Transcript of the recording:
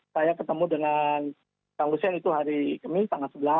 saya ketemu dengan pak hussein itu hari ke min tanggal sebelas